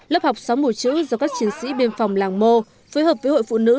lớp học xóa mùa chữ do các chiến sĩ biên phòng làng mô phối hợp với hội phụ nữ